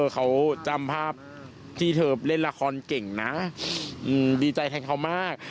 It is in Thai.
เขาจำภาพที่เธอเล่นละครเก่งนะดีใจแทนเขามาก